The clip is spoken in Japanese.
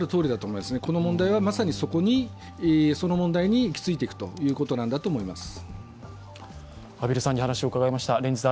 この問題はまさにその問題に行き着いていくということだと思います。